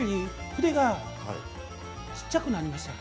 筆がちっちゃくなりました。